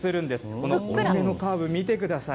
この折り目のカーブ見てください。